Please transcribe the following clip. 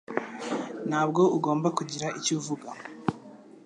Ntabwo ugomba kugira icyo uvuga